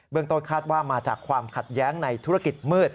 ต้นคาดว่ามาจากความขัดแย้งในธุรกิจมืด